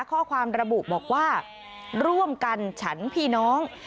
ข้อความระบุบอกว่าร่วมกันฉันพี่น้อง